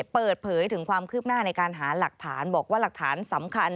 เปิดเผยถึงความคืบหน้าในการหาหลักฐานบอกว่าหลักฐานสำคัญ